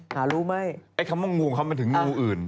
หารู้มั้ยไอ้คำว่างงูมันถึงงูอื่น